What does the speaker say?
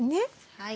はい。